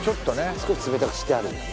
少し冷たくしてあるんだね